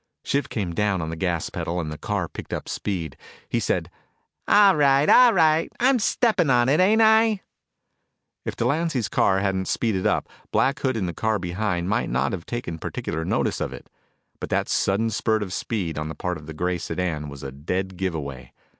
Shiv came down on the gas pedal and the car picked up speed. He said, "All right, all right! I'm steppin' on it, ain't I?" If Delancy's car hadn't speeded up, Black Hood in the car behind might not have taken particular notice of it. But that sudden spurt of speed on the part of the gray sedan was a dead give away.